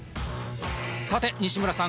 さて西村さん